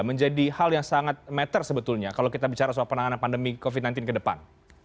menjadi hal yang sangat meter sebetulnya kalau kita bicara soal penanganan pandemi covid sembilan belas ke depan